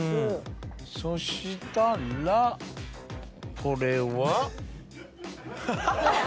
そしたらこれは？ハハハ！